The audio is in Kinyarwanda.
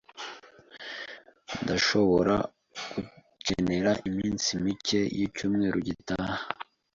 Ndashobora gukenera iminsi mike y'icyumweru gitaha.